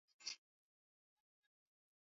Nitamaliza shule mwaka huu